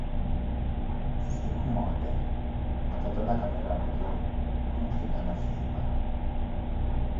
Sinkhu moote, athottolaka mirakho zawe, khunsikana Siipa.